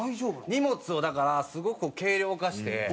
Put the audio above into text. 荷物をだからすごく軽量化して。